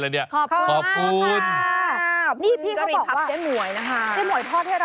ไซส์ลำไย